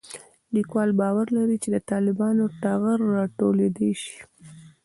لیکوال باور لري چې د طالبانو ټغر راټولېدای شي